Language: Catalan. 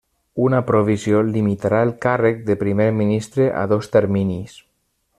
Una provisió limitarà el càrrec de primer ministre a dos terminis.